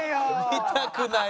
見たくない。